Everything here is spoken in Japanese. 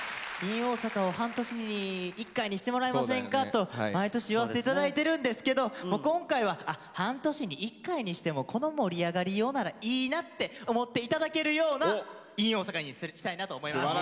「ｉｎ大阪」を半年に１回にしてもらえませんかと毎年言わせて頂いてるんですけどもう今回は半年に１回にしてもこの盛り上がりようならいいなって思って頂けるような「ｉｎ大阪」にしたいなと思います。